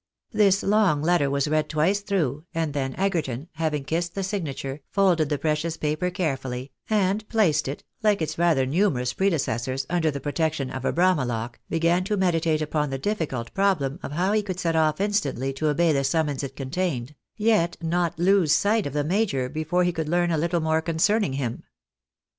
This long letter was read twice through, and then Egerton, having kissed the signature, folded the precious paper carefully, and placed it, hke its rather numerous predecessors, under the protection of a Bramah lock, began to meditate upon the difl&cult problem of how he could set off instantly to obey the summons it contained, yet not lose sight of the major before he could learn a little more concerning him.